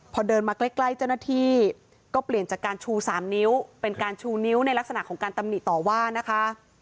พอเดินมาใกล้เจ้าหน้าที่ก็เปลี่ยนจากการชู๓นิ้วเป็นการชูนิ้วในลักษณะของการตำหนิต่อว่านะคะ